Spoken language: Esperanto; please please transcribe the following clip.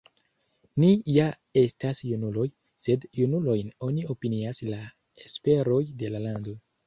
Ni ja estas junuloj, sed junulojn oni opinias la esperoj de la lando!